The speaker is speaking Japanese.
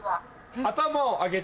頭を上げて。